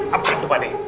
apa tuh pade